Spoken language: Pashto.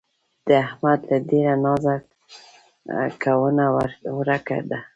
د احمد له ډېره نازه کونه ورکه ده.